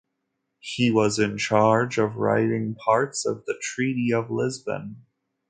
He was in charge of writing parts of the Treaty of Lisbon.